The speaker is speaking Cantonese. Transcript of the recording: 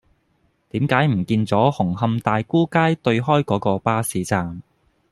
點解唔見左紅磡大沽街對開嗰個巴士站